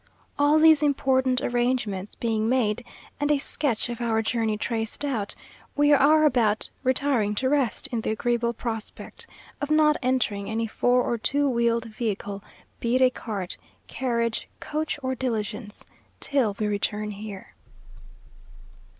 All these important arrangements being made, and a sketch of our journey traced out, we are about retiring to rest, in the agreeable prospect of not entering any four or two wheeled vehicle, be it a cart, carriage, coach, or diligence, till we return here.